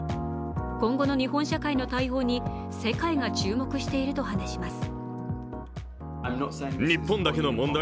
今後の日本社会の対応に世界が注目していると話します。